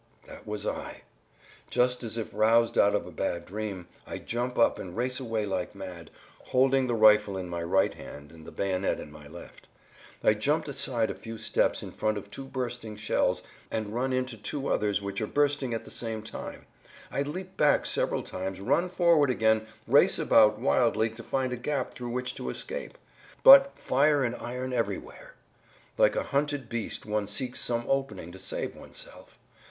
That was I! Just as if roused out of a bad dream, I jump up and race away like mad, holding the rifle in my right hand and the bayonet in my left. I jumped aside a few steps in front of two bursting shells and run into two others which are bursting at the same time. I leap back several times, run forward again, race about wildly to find a gap through which to escape. But—fire and iron everywhere. Like a hunted beast one seeks some opening to save oneself.